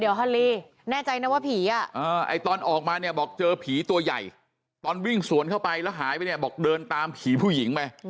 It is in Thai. เดี๋ยวฮอลลี่แน่ใจนะว่าผี